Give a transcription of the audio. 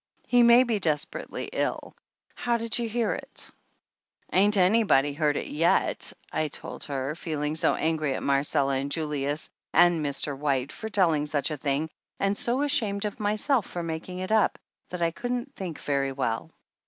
He may be desperately ill! How did you hear it?" "Ain't anybody heard it yet!" I told her, feeling so angry at Marcella and Julius and Mr. White for telling such a thing and so ashamed of myself for making it up that I couldn't think very well.